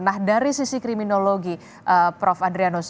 nah dari sisi kriminologi prof adrianus